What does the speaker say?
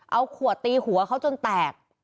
เอาขวดตีหัวเขาจนแตก